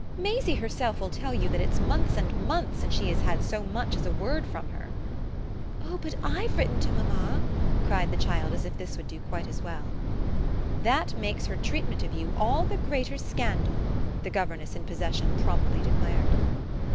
"Maisie herself will tell you that it's months and months since she has had so much as a word from her." "Oh but I've written to mamma!" cried the child as if this would do quite as well. "That makes her treatment of you all the greater scandal," the governess in possession promptly declared.